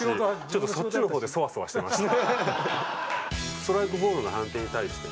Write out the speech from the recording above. ちょっとそっちの方でソワソワしてました。